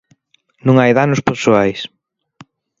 Non hai danos persoais.